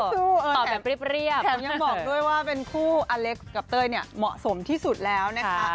ผมยังบอกด้วยว่าเป็นคู่อเล็กกับเตยเนี่ยเหมาะสมที่สุดแล้วนะคะ